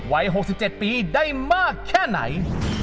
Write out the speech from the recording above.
วัย๖๗ปีได้มากแค่ไหน